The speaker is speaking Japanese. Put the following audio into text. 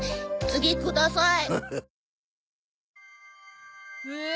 次ください。